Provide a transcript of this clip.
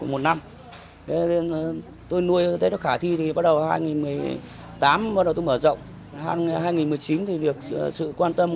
một năm tôi nuôi tết nó khả thi thì bắt đầu hai nghìn một mươi tám bắt đầu tôi mở rộng hai nghìn một mươi chín thì được sự quan tâm